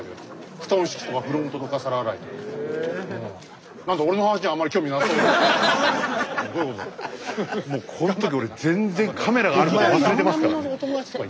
スタジオもうこん時俺全然カメラがあること忘れてますからね。